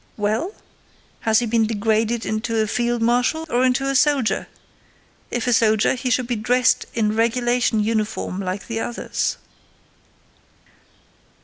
"Well? Has he been degraded into a field marshal, or into a soldier? If a soldier, he should be dressed in regulation uniform like the others."